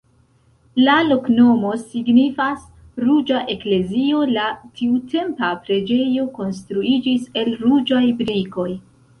La loknomo signifas: ruĝa-eklezio, la tiutempa preĝejo konstruiĝis el ruĝaj brikoj.